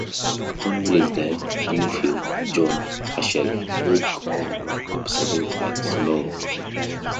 Upon William's death, her nephew, John Herschel, took over observing at Slough.